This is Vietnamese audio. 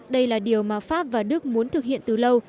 đây là điều mà pháp và đức muốn thực hiện từ lâu